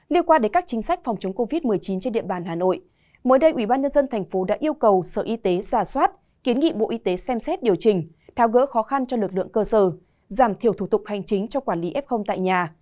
liên quan đến các chính sách phòng chống covid một mươi chín trên địa bàn hà nội mới đây ubnd tp đã yêu cầu sở y tế giả soát kiến nghị bộ y tế xem xét điều chỉnh thao gỡ khó khăn cho lực lượng cơ sở giảm thiểu thủ tục hành chính trong quản lý f tại nhà